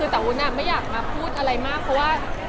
แต่วุ้นไม่อยากมาพูดอะไรมากเพราะว่า